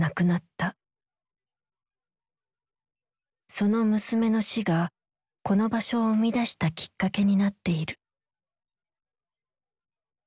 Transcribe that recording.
その娘の死がこの場所を生み出したきっかけになっている。